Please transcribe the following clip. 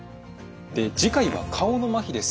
次回は顔のまひです。